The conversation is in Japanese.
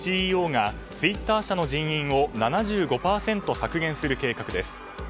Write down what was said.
ＣＥＯがツイッター社の人員を７５％削減する計画です。